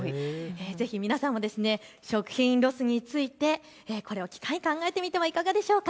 ぜひ皆さんも食品ロスについてこれを機会に考えてみてはいかがでしょうか。